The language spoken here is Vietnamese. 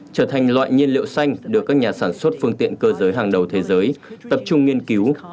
trở thành loại nhiên liệu xanh được các nhà sản xuất phương tiện cơ giới hàng đầu thế giới tập trung nghiên cứu